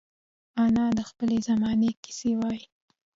انا د خپلې زمانې کیسې وايي